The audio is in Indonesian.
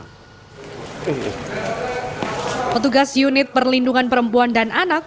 petugas unit perlindungan perempuan dan anak